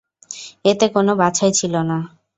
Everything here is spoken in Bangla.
এতে কোন বাছাই ছিল না।